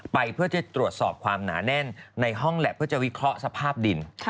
เพื่อที่จะตรวจสอบความหนาแน่นในห้องแหละเพื่อจะวิเคราะห์สภาพดิน